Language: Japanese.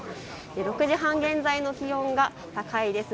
６時半現在の気温が高いです。